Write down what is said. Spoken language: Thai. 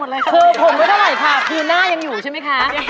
ตอนนี้หิวผมไม่ได้ไหวค่ะเขาหยือนหน้ายังอยู่ใช่ไหมค๊า